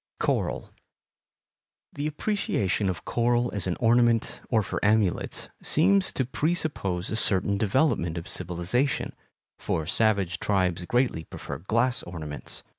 Coral The appreciation of coral as an ornament, or for amulets, seems to presuppose a certain development of civilization, for savage tribes greatly prefer glass ornaments.